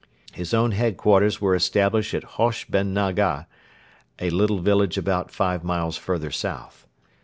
His own headquarters were established at Hosh ben Naga, a little village about five miles further south.